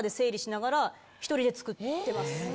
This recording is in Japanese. １人で作ってます。